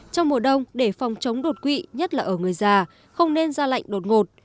trong mùa đông để phòng chống đột quỵ nhất là ở người già không nên ra lệnh đột ngột